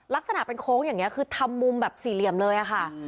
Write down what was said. ลักษณะเป็นโค้งอย่างนี้คือทำมุมแบบสี่เหลี่ยมเลยค่ะ